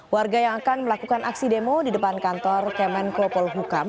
warga yang akan melakukan aksi demo di depan kantor kemen kopol hukam